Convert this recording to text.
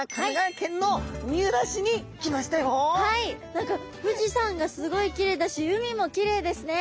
何か富士山がすごいきれいだし海もきれいですね。